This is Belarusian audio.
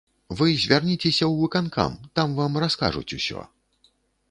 Вы звярніцеся ў выканкам, там вам раскажуць усё.